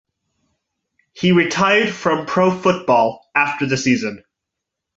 He retired from pro football after the season.